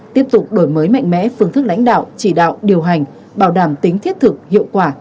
tiếp tục đổi mới mạnh mẽ phương thức lãnh đạo chỉ đạo điều hành bảo đảm tính thiết thực hiệu quả